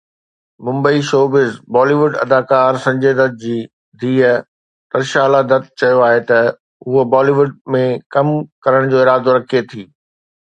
Mumbai (showbiz news) Bollywood اداڪار سنجي دت جي ڌيءَ ترشالا دت چيو آهي ته هوءَ بالي ووڊ ۾ ڪم ڪرڻ جو ارادو رکي ٿي.